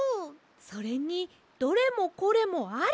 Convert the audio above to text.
それに「どれもこれもあり！」